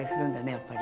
やっぱり。